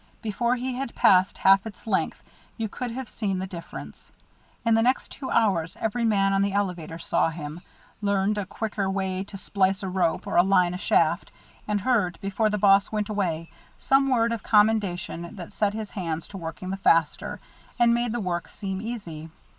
Before he had passed half its length you could have seen the difference. In the next two hours every man on the elevator saw him, learned a quicker way to splice a rope or align a shaft, and heard, before the boss went away, some word of commendation that set his hands to working the faster, and made the work seem easy.